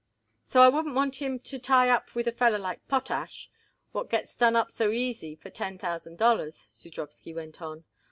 "So I wouldn't want him to tie up with a feller like Potash, what gets done up so easy for ten thousand dollars," Zudrowsky went on.